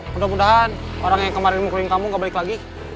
mudah mudahan orang yang kemarin mau keliling kampung gak balik lagi